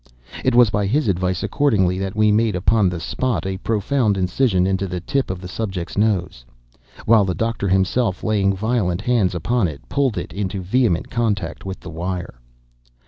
It was by his advice, accordingly, that we made, upon the spot, a profound incision into the tip of the subject's nose, while the Doctor himself, laying violent hands upon it, pulled it into vehement contact with the wire.